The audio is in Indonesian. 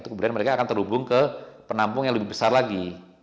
kemudian mereka akan terhubung ke penampung yang lebih besar lagi